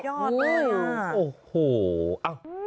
แย่